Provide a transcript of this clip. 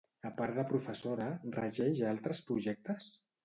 A part de professora, regeix altres projectes?